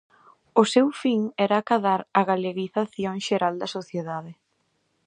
O seu fin era acadar a galeguización xeral da sociedade.